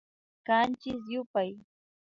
Kanchis yupay